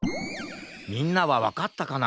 みんなはわかったかな？